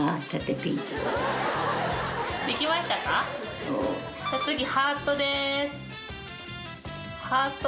反対、ハートです。